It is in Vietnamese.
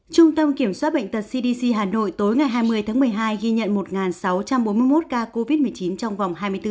trung tâm kiểm soát bệnh tật cdc hà nội tối ngày hai mươi tháng một mươi hai ghi nhận một sáu trăm bốn mươi một ca covid một mươi chín trong vòng hai mươi bốn h